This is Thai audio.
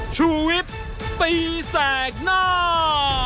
ชูเว็ตตีแสดหน้า